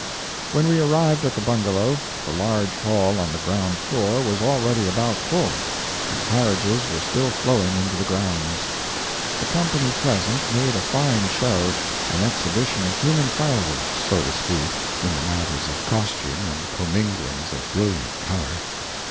When we arrived at the bungalow, the large hall on the ground floor was already about full, and carriages were still flowing into the grounds. The company present made a fine show, an exhibition of human fireworks, so to speak, in the matters of costume and comminglings of brilliant color.